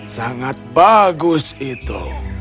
sangat bagus itu